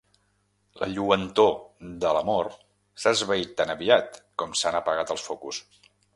La lluentor de l'amor s'ha esvaït tan aviat com s'han apagat els focus.